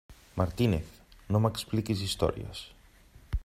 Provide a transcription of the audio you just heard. Martínez, no m'expliquis històries!